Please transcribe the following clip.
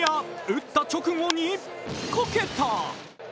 打った直後に、こけた！